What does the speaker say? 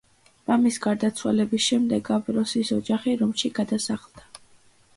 მამის გარდაცვალების შემდეგ ამბროსის ოჯახი რომში გადასახლდა.